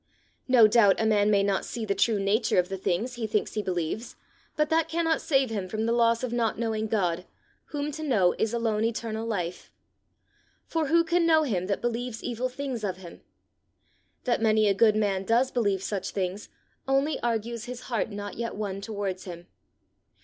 No doubt a man may not see the true nature of the things he thinks he believes, but that cannot save him from the loss of not knowing God, whom to know is alone eternal life; for who can know him that believes evil things of him? That many a good man does believe such things, only argues his heart not yet one towards him.